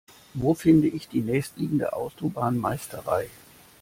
Wo finde ich die nächstliegende Autobahnmeisterei?